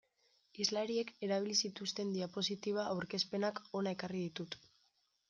Hizlariek erabili zituzten diapositiba aurkezpenak hona ekarri ditut.